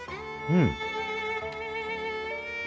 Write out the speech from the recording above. うん。